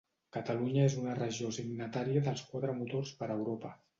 Catalunya és una regió signatària dels Quatre Motors per a Europa.